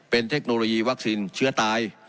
เป็นเทคโนโลยีวัคซีนเชื้อตาย